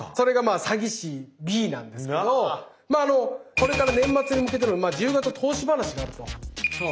これから年末に向けての１０月の投資話があると。